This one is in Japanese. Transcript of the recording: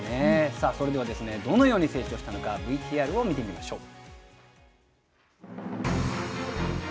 それではどのように成長したのかＶＴＲを見てみましょう。